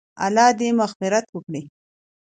الله دې مغفرت وکړي -